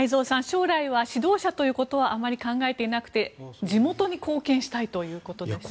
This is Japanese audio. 将来は指導者ということはあまり考えていなくて、地元に貢献したいということです。